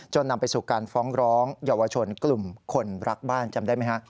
นำไปสู่การฟ้องร้องเยาวชนกลุ่มคนรักบ้านจำได้ไหมฮะ